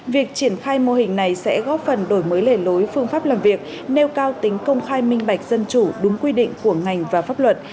việc triển khai mô hình này sẽ góp phần đổi mới lề lối phương pháp làm việc nêu cao tính công khai minh bạch dân chủ đúng quy định của ngành và pháp luật